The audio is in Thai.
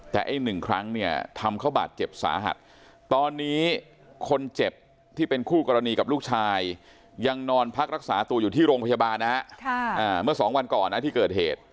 แต่ไอ้หนึ่งครั้งเนี่ยทำเขาบาดเจ็บสาหัสตอนนี้คนเจ็บที่เป็นคู่กรณีกับลูกชายยังนอนพักรักษาตัวอยู่ที่โรงพยาบาลนะฮะเมื่อสองวันก่อนนะที่เกิดเหตุ